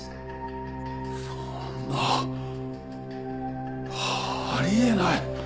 そんなあり得ない。